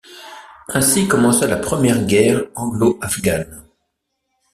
Ainsi commença la première guerre anglo-afghane.